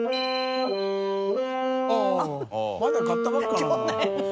あぁまだ買ったばっかりなんだ。